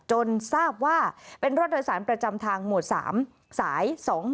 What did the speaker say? ทราบว่าเป็นรถโดยสารประจำทางหมวด๓สาย๒๔